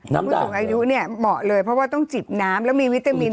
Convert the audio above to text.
น้ำด่างผู้สูงอายุเนี่ยเหมาะเลยเพราะว่าต้องจิบน้ำแล้วมีวิตามินให้ด้วย